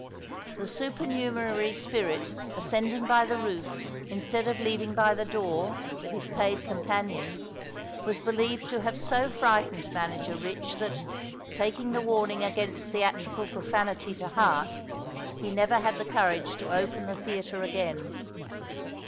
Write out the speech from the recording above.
The supernumerary spirit ascending by the roof instead of leaving by the door with his paid companions, was believed to have so frightened manager Rich that, taking the warning against theatrical profanity to heart, he never had the courage to open the theatre again.